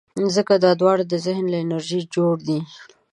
ځکه دا دواړه د ذهن له انرژۍ جوړ دي.